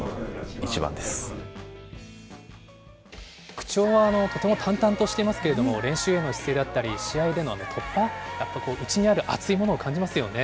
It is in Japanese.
口調はとても淡々としていますけれども、練習への姿勢だったり、試合での突破、うちにある熱いものを感じますよね。